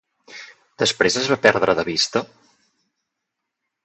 Després es va perdre de vista?